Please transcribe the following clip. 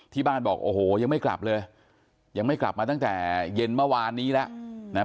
บอกโอ้โหยังไม่กลับเลยยังไม่กลับมาตั้งแต่เย็นเมื่อวานนี้แล้วนะครับ